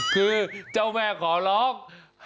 คือเจ้าแม่ขอร้อง